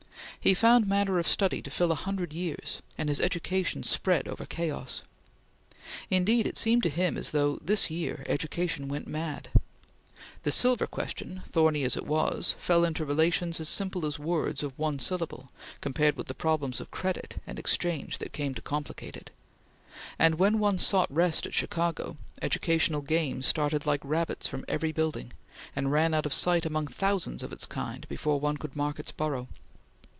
He found matter of study to fill a hundred years, and his education spread over chaos. Indeed, it seemed to him as though, this year, education went mad. The silver question, thorny as it was, fell into relations as simple as words of one syllable, compared with the problems of credit and exchange that came to complicate it; and when one sought rest at Chicago, educational game started like rabbits from every building, and ran out of sight among thousands of its kind before one could mark its burrow.